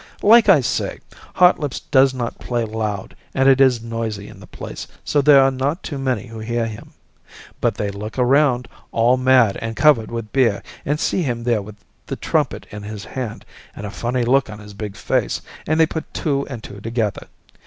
Like I say, Hotlips does not play loud and it is noisy in the place, so there are not too many who hear him. But they look around, all mad and covered with beer, and see him there with the trumpet in his hand and a funny look on his big face, and they put two and two together.